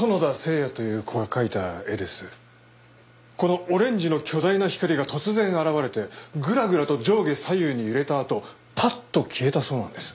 このオレンジの巨大な光が突然現れてグラグラと上下左右に揺れたあとパッと消えたそうなんです。